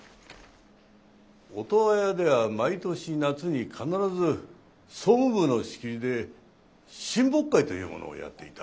オトワヤでは毎年夏に必ず総務部の仕切りで親睦会というものをやっていた。